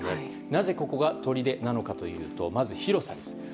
なぜここがとりでなのかというとまず、広さです。